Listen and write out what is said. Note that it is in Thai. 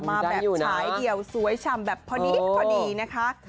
มาแบบฉายเดียวสวยฉ่ำแบบพอดีนะคะ